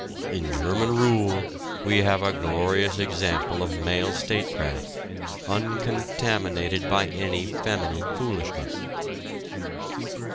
In German rule, we have a glorious example of male statecraft, uncontaminated by any feminine foolishness.